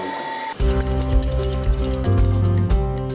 yang jualan pakti sama malam